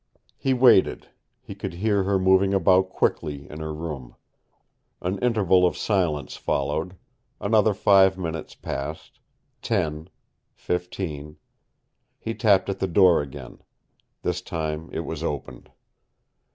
He waited. He could hear her moving about quickly in her room. An interval of silence followed. Another five minutes passed ten fifteen. He tapped at the door again. This time it was opened.